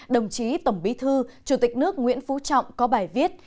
đồng chí tổng bí thư chủ tịch nước nguyễn phú trọng có bài viết